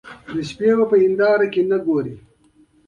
اتلان د ټولنې له منل شویو دودونو سرغړونه کوي.